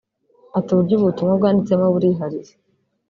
Ati “Uburyo ubu butumwa bwanditsemo burihariye